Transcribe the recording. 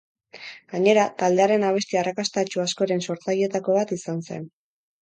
Gainera, taldearen abesti arrakastatsu askoren sortzaileetako bat izan zen.